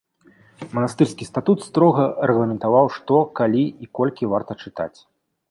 Манастырскі статут строга рэгламентаваў, што, калі і колькі варта чытаць.